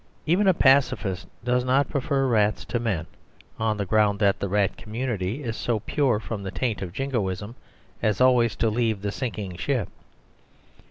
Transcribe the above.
Even a Pacifist does not prefer rats to men, on the ground that the rat community is so pure from the taint of Jingoism as always to leave the sinking ship.